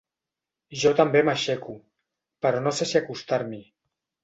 Jo també m'aixeco, però no sé si acostarm'hi.